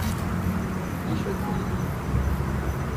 D acu-ten?